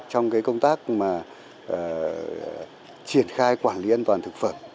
trong công tác triển khai quản lý an toàn thực phẩm